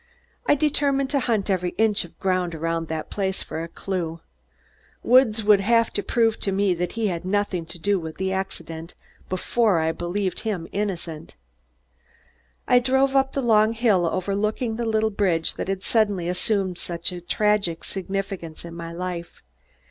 I determined to hunt every inch of ground around the place for a clue. Woods would have to prove to me that he had nothing to do with the accident before I'd believe him innocent. I drove up the long hill overlooking the little bridge that had suddenly assumed such a tragic significance in my life.